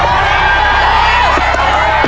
แค่นั้นสุดท้าย